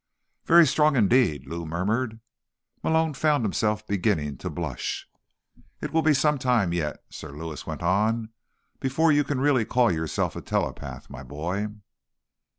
"Very strong indeed," Lou murmured. Malone found himself beginning to blush. "It will be some time yet," Sir Lewis went on, "before you can really call yourself a telepath, my boy."